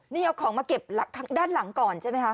นี่เอาของมาเก็บด้านหลังก่อนใช่ไหมคะ